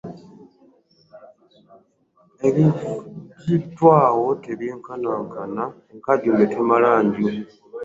Eviddawo tebyenkanankana, enkaajumbe temala nju